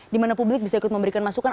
dimana publik bisa ikut memberikan masukan